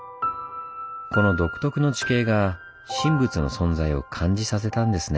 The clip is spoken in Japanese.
この独特の地形が神仏の存在を感じさせたんですね。